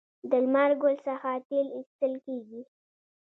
د لمر ګل څخه تیل ایستل کیږي.